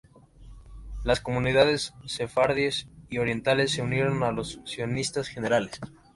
Las Comunidades Sefardíes y Orientales se unieron a los Sionistas Generales.